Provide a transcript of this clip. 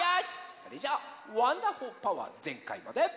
それじゃあワンダホー☆パワーぜんかいまで。